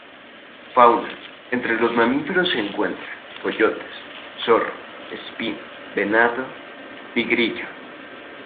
Fauna: Entre los mamíferos se encuentran: coyotes, zorro espín, venado, tigrillo.